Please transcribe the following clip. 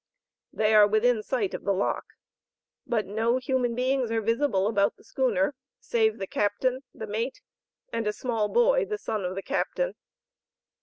They are within sight of the lock, but no human beings are visible about the schooner save the Captain, the mate and a small boy, the son of the Captain.